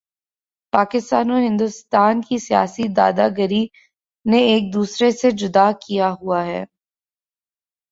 پاکستان اور ہندوستان کی سیاسی دادا گری نے ایک دوسرے سے جدا کیا ہوا ہے